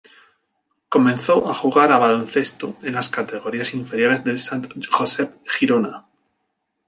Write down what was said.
Comenzó a jugar a baloncesto en las categorías inferiores del Sant Josep Girona.